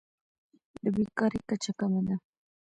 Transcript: د بیکارۍ کچه کمه ده.